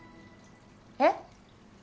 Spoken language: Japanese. えっ！？